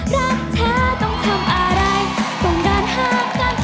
รักเธอต้องทำอะไรส่งด้านห้ามกัน